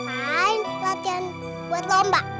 ngapain latihan buat lomba